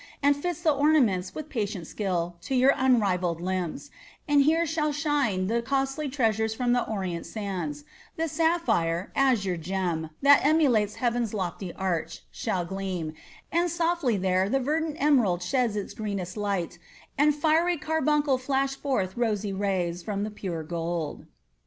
And fits the ornaments, with patient skill, To your unrivalled limbs; and here shall shine The costly treasures fh>m the Orient sands, The sapphire, azure gem, that emulates Heaven's lofty arch, shall gleam, and softly there The verdant emerald shed its greenest light, And fiery carbuncle flash forth rosy rays From the pure gold."